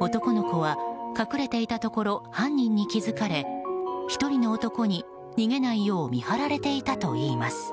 男の子は隠れていたところ犯人に気づかれ１人の男に逃げないよう見張られていたといいます。